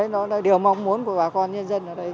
nó là điều mong muốn của bà con nhân dân ở đây